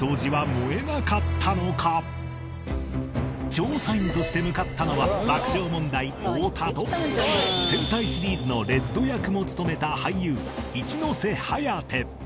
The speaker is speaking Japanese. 調査員として向かったのは爆笑問題太田と戦隊シリーズのレッド役も務めた俳優一ノ瀬颯